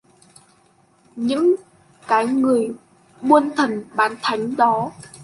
Những cái người buôn thần bán thánh đó